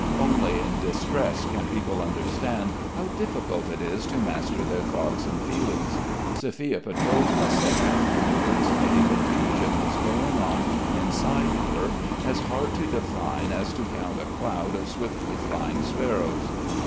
Only in distress can people understand how difficult it is to master their thoughts and feelings. Sophia Pietrovna said afterwards a confusion was going on inside her as hard to define as to count a cloud of swiftly flying sparrows.